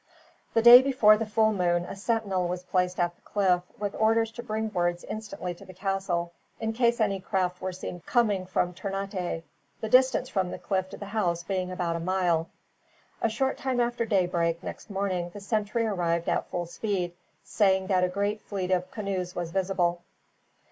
The day before the full moon a sentinel was placed at the cliff, with orders to bring word instantly to the castle, in case any craft were seen coming from Ternate, the distance from the cliff to the house being about a mile. A short time after daybreak, next morning, the sentry arrived at full speed, saying that a great fleet of canoes was visible.